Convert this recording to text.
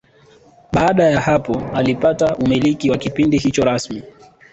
Baada ya hapo alipata umiliki wa kipindi hicho rasmi